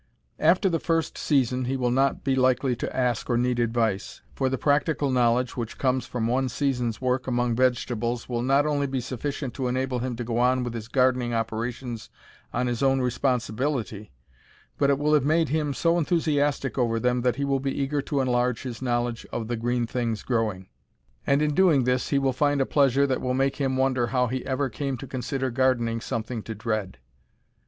After the first season he will not be likely to ask or need advice, for the practical knowledge which comes with one season's work among vegetables will not only be sufficient to enable him to go on with his gardening operations on his own responsibility, but it will have made him so enthusiastic over them that he will be eager to enlarge his knowledge of "the green things growing," and in doing this he will find a pleasure that will make him wonder how he ever came to consider gardening something to dread.